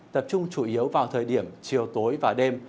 tập trung chủ yếu vào thời điểm chiều tối và đêm